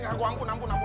anggun ampun ampun ampun